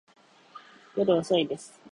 夜遅いです。